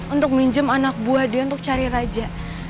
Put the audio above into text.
untuk minjem anak buah dia untuk cari raja